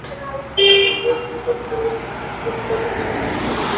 তাই শুধু করপোরেট করহার কমানোয় শেয়ারবাজার পুনরুজ্জীবিত হবে—এমনটা আশা করা যাচ্ছে না।